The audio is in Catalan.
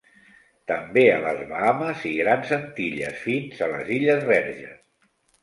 També a les Bahames i Grans Antilles fins a les illes Verges.